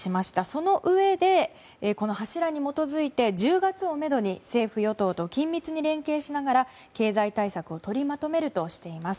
そのうえで、この柱に基づいて１０月をめどに政府・与党と緊密に連携しながら経済対策を取りまとめるとしています。